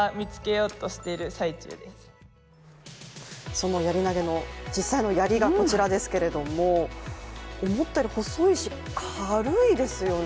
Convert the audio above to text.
そのやり投げの実際のやりがこちらですけれども、思ったより細いし、軽いですよね。